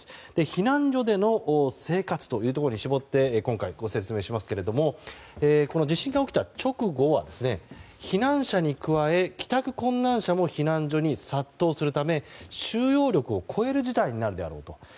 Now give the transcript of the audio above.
避難所での生活というところに絞って今回、ご説明しますけども地震が起きた直後は避難者に加え帰宅困難者も避難所に殺到するため収容力を超える事態になるだろうと。